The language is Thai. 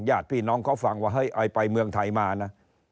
ญาติพี่น้องเขาฟังว่าเฮ้ยไอไปเมืองไทยมานะ